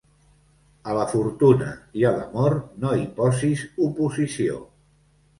A la fortuna i a l'amor no hi posis oposició.